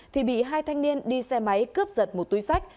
thì bị hai thanh niên đi xe máy cướp giật một túi sách